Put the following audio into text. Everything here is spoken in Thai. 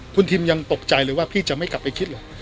คุณทิมยังตกใจเลยว่าพี่จะไม่กลับไปคิดเหรอ